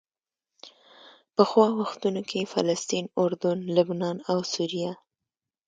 پخوا وختونو کې فلسطین، اردن، لبنان او سوریه.